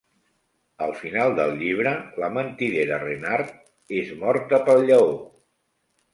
Al final del llibre, la mentidera Renard és morta pel lleó.